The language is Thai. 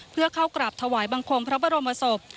เพื่อเข้ากราบถวายบังคมพระบรมศพ